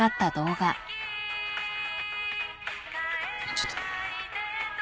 ちょっと。